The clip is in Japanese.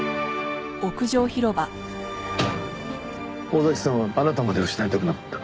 尾崎さんはあなたまで失いたくなかった。